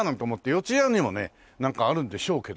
四谷にもねなんかあるんでしょうけどもね。